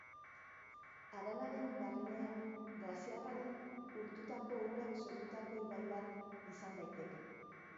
Haranaren barrenean glaziarraren urtutako urak sortutako ibai bat izan daiteke.